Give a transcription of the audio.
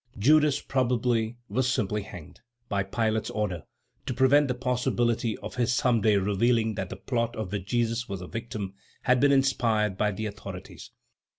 Judas probably was simply hanged, by Pilate's order, to prevent the possibility of his some day revealing that the plot of which Jesus was a victim had been inspired by the authorities.